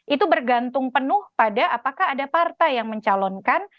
itu bergantung penuh pada apakah ada partai yang mencalonkan